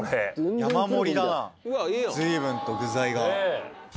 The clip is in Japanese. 山盛りだな随分と具材が。